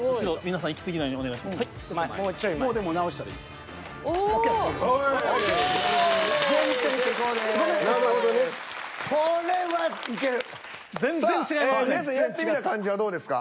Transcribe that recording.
さあ皆さんやってみた感じはどうですか？